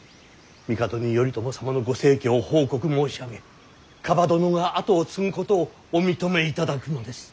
帝に頼朝様のご逝去を報告申し上げ蒲殿が跡を継ぐことをお認めいただくのです。